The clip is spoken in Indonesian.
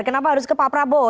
kenapa harus ke pak prabowo